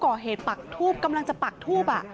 เพราะว่าพอในนรงค์ผู้ก่อเหตุปักทูบกำลังจะปักทูบอะ